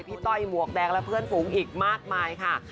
ต้อยหมวกแดงและเพื่อนฝูงอีกมากมายค่ะ